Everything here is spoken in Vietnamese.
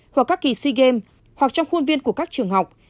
hoặc các kỳ sea games hoặc trong khuôn viên của các trường học